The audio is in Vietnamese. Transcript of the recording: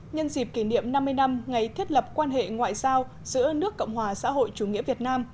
nhân dịp kỷ niệm năm mươi năm ngày thiết lập quan hệ ngoại giao giữa nước cộng hòa xã hội chủ nghĩa việt nam